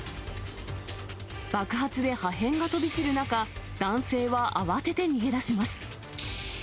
爆発で破片が飛び散る中、男性は慌てて逃げ出します。